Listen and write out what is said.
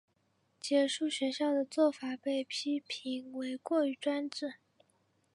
结束学校的做法被批评为过于专制。